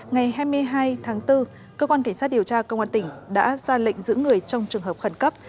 ngày hai mươi hai tháng bốn cơ quan cảnh sát điều tra công an tỉnh đã ra lệnh giữ người trong trường hợp khẩn cấp